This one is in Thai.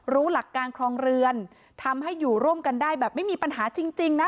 หลักการครองเรือนทำให้อยู่ร่วมกันได้แบบไม่มีปัญหาจริงนะ